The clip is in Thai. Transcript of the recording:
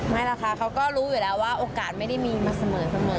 ไม่หรอกค่ะเขาก็รู้อยู่แล้วว่าโอกาสไม่ได้มีมาเสมอ